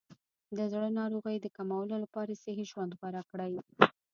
د زړه ناروغیو د کمولو لپاره صحي ژوند غوره کړئ.